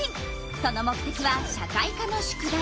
その目てきは社会科の宿題。